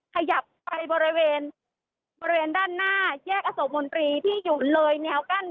ขยับไปบริเวณบริเวณด้านหน้าแยกอโศกมนตรีที่อยู่เลยแนวกั้น